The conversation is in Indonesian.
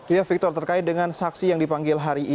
iya victor terkait dengan saksi yang dipanggil hadir